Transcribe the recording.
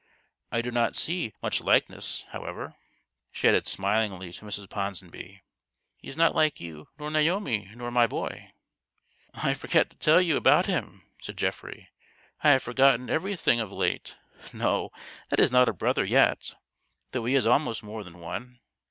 I do not see much likeness, however," she added smilingly to Mrs. Ponsonby. " He is not like you nor Naomi nor my boy." "I forgot to tell you about him," said Geoffrey. " I have forgotten everything of late ! No, that is not a brother yet ; though he is almost more than one.